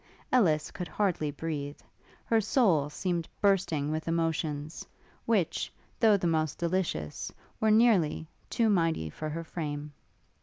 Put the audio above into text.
Ellis could hardly breathe: her soul seemed bursting with emotions, which, though the most delicious, were nearly too mighty for her frame.